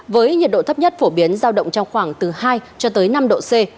với nhiệt độ thấp nhất phổ biến giao động trong khoảng từ hai cho tới năm độ c